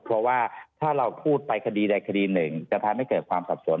เพราะว่าถ้าเราพูดไปคดีใดคดีหนึ่งจะทำให้เกิดความสับสน